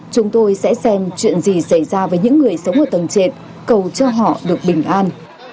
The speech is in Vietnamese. chúng tôi sẽ xem chuyện gì xảy ra với những người sống ở tầng trệt cầu cho họ được bình an